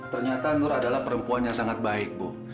ternyata nur adalah perempuan yang sangat baik bu